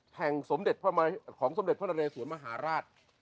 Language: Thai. ของสมเด็จพระนเรสวนมหาราช